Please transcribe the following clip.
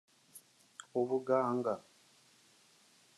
ubuganga